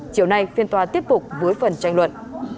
chiều nay phiên tòa tiếp tục với phần tranh luận